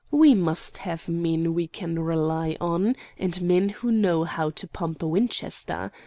We must have men we can rely on, and men who know how to pump a Winchester.